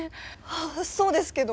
そうですけど。